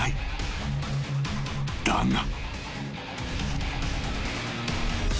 ［だが］